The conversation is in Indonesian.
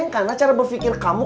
karena cara berpikir kamu